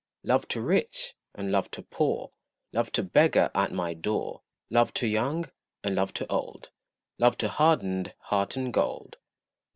Love to rich, and love to poor, Love to beggar at my door. Love to young, and love to old, Love to hardened heart and cold.